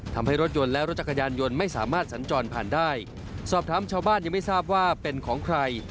ทำให้รถยนต์และรถจักรยานยนต์ไม่สามารถสัญจรผ่านได้สอบถามชาวบ้านยังไม่ทราบว่าเป็นของใคร